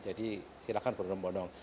jadi silakan berhubung hubung